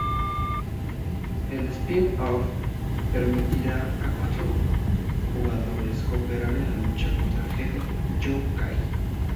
El spin-off permitirá a cuatro jugadores cooperar en la lucha contra el jefe Yo-Kai.